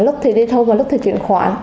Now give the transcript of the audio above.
lúc thì đi thu và lúc thì chuyển khoản